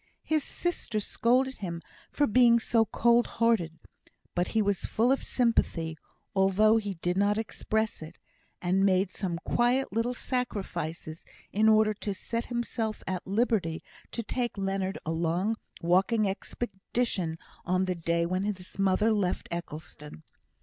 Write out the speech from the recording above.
His sister scolded him for being so cold hearted; but he was full of sympathy, although he did not express it, and made some quiet little sacrifices in order to set himself at liberty to take Leonard a long walking expedition on the day when his mother left Eccleston.